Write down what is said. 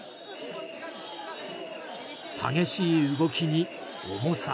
激しい動きに、重さ。